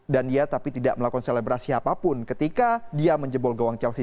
dan dia tapi tidak melakukan selebrasi apapun ketika dia menjebol gawang chelsea